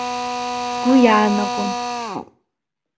Сгәы ианаагон.